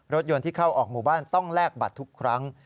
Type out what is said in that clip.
รถยนต์ที่เข้าออกหมู่บ้านต้องแลกบัตรทุกครั้ง